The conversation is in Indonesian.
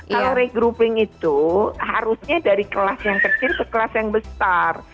kalau regrouping itu harusnya dari kelas yang kecil ke kelas yang besar